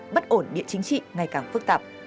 bất ổn địa chính trị ngày càng phức tạp